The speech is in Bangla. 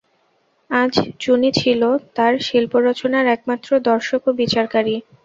আজ চুনি ছিল তাঁর শিল্পরচনার একমাত্র দর্শক ও বিচারকারী।